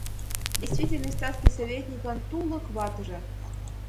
Действительный статский советникын тулык ватыже.